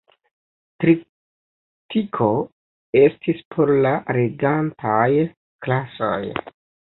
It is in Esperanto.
Tritiko estis por la regantaj klasoj.